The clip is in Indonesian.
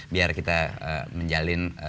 biar kita menjalin